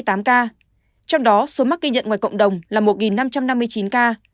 trong đó số mắc ghi nhận ngoài cộng đồng là một năm trăm năm mươi chín ca